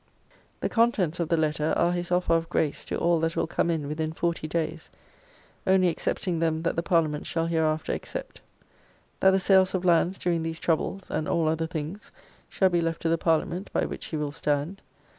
] The contents of the letter are his offer of grace to all that will come in within forty days, only excepting them that the Parliament shall hereafter except. That the sales of lands during these troubles, and all other things, shall be left to the Parliament, by which he will stand.